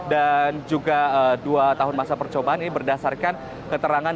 dan juga dua tahun masa percobaan ini berdasarkan keterangan